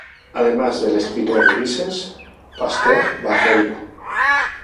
Además del escritor Ulises Pastor Barreiro.